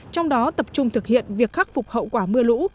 trong đó tập trung thực hiện việc khắc phục hậu quả mưa lũ